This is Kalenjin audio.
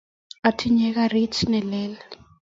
Atinye garit nelel.